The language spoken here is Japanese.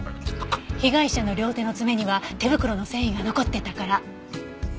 被害者の両手の爪には手袋の繊維が残ってたから。